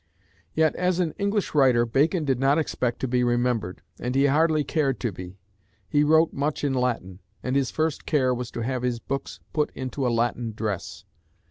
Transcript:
Yet as an English writer Bacon did not expect to be remembered, and he hardly cared to be. He wrote much in Latin, and his first care was to have his books put into a Latin dress.